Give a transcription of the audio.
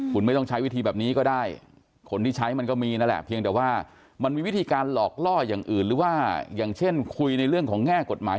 คุณไม่ต้องใช้วิธีแบบนี้ก็ได้คนที่ใช้มันก็มีนั่นแหละเพียงแต่ว่ามันมีวิธีการหลอกล่ออย่างอื่นหรือว่าอย่างเช่นคุยในเรื่องของแง่กฎหมาย